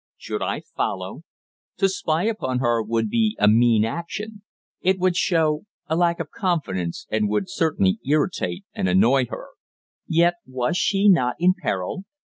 Should I follow? To spy upon her would be a mean action. It would show a lack of confidence, and would certainly irritate and annoy her. Yet was she not in peril?